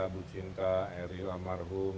bu cinta eri lamarhum